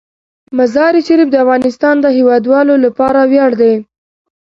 مزارشریف د افغانستان د هیوادوالو لپاره ویاړ دی.